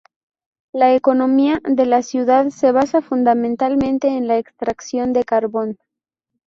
La economía de la ciudad se basa fundamentalmente en la extracción de carbón.